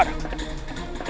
apa yang kamu lakukan